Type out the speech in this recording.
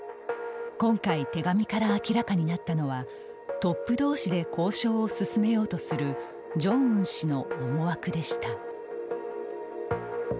今回、手紙から明らかになったのはトップどうしで交渉を進めようとするジョンウン氏の思惑でした。